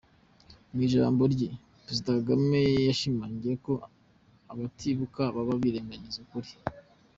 Mu ijambo rye, Perezida Kagame, yashimangiye ko abatibuka baba birengagiza ukuri.